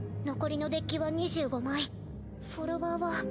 残りのデッキは２５枚フォロワーは。